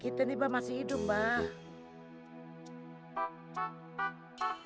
kita nih mbah masih hidup mbah